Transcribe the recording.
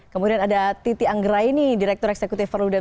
kemudian ada titi anggeraini direktur eksekutif verudem